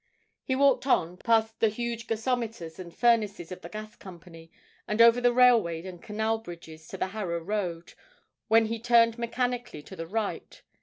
He walked on, past the huge gasometers and furnaces of the Gas Company, and over the railway and canal bridges, to the Harrow Road, when he turned mechanically to the right.